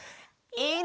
いいね！